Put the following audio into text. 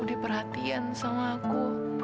diperhatian sama aku